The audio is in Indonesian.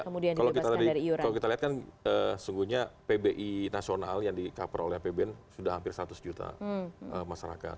kalau kita lihat kan sungguhnya pbi nasional yang di cover oleh apbn sudah hampir seratus juta masyarakat